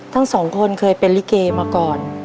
ทั้งสองคนเคยเป็นลิเกมาก่อน